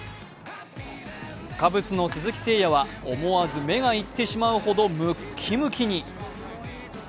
カブスの鈴木誠也は思わず目がいってしまうほどムッキムキに。